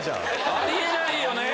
あり得ないよ。